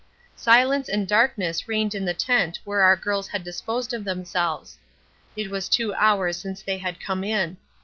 Silence and darkness reigned in the tent where our girls had disposed of themselves. It was two hours since they had come in.